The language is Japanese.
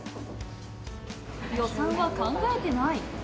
予算は考えてない。